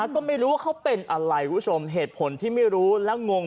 ก็ไม่รู้ว่าเขาเป็นอะไรคุณผู้ชมเหตุผลที่ไม่รู้และงง